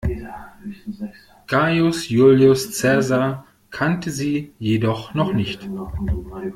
Gaius Julius Cäsar kannte sie jedoch noch nicht.